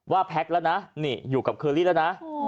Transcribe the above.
แพ็คแล้วนะนี่อยู่กับเคอรี่แล้วนะ